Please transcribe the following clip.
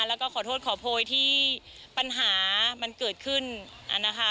แล้วก็ขอโทษขอโพยที่ปัญหามันเกิดขึ้นนะคะ